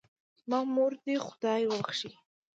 زما مور دې خدای وبښئ